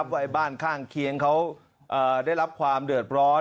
ว่าบ้านข้างเคียงเขาได้รับความเดือดร้อน